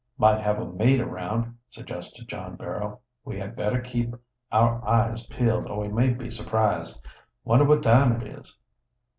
"Might have a mate around," suggested John Barrow. "We had better keep our eyes peeled, or we may be surprised. Wonder what time it is?"